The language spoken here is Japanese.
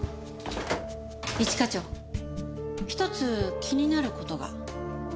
一課長１つ気になる事が。